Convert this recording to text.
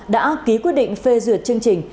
đã ký quyết định phê duyệt chương trình